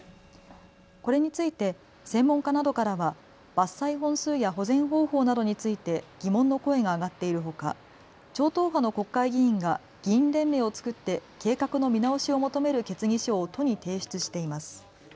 これについて専門家などからは伐採本数や保全方法などについて疑問の声が上がっているほか超党派の国会議員が議員連盟を作って計画の見直しを求める決議書を都に提出しています。